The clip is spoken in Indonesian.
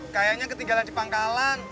kayaknya ketinggalan di pangkalan